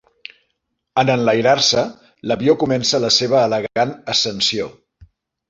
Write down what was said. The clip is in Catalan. En enlairar-se, l'avió comença la seva elegant ascensió.